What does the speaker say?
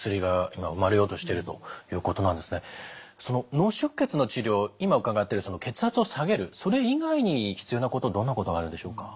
今伺ってる血圧を下げるそれ以外に必要なことどんなことがあるんでしょうか？